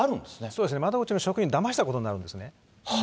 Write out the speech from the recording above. そうですね、窓口の職員をだましたことになるんですね。